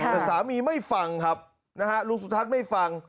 แต่สามีไม่ฟังครับนะฮะลุงสุทัศน์ไม่ฟัง